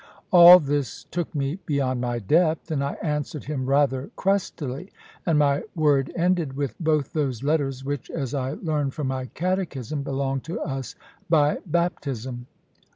All this took me beyond my depth, and I answered him rather crustily; and my word ended with both those letters which, as I learned from my Catechism, belong to us by baptism.